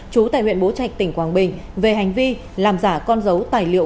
chú tại huyện bố trạch tỉnh quảng bình về hành vi làm giả con dấu tài liệu